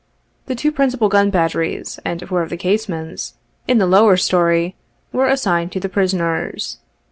The two principal gun batteries, and four of the casemates in the lower story, were assigned to the prisoners.